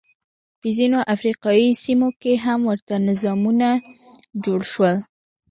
په ځینو افریقايي سیمو کې هم ورته نظامونه جوړ شول.